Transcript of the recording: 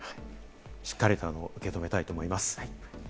しっかりと受け止めたいと思います。